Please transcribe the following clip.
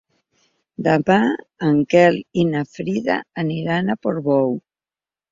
Demà en Quel i na Frida aniran a Portbou.